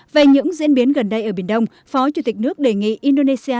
về những diễn biến gần đây ở biển đông phó chủ tịch nước đề nghị indonesia